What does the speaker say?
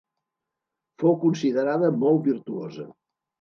Fou considerada molt virtuosa.